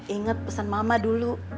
ingat pesan mama dulu